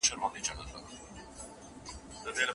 کله چي خبر سوم.